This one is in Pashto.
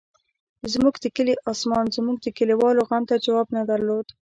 زموږ د کلي اسمان زموږ د کلیوالو غم ته جواب نه درلود.